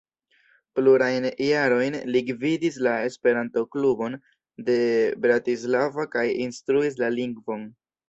Plurajn jarojn li gvidis la Esperanto-klubon de Bratislava kaj instruis la lingvon.